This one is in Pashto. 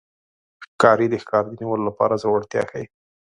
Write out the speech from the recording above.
ښکاري د ښکار د نیولو لپاره زړورتیا ښيي.